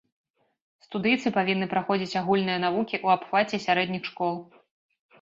Студыйцы павінны праходзіць агульныя навукі ў абхваце сярэдніх школ.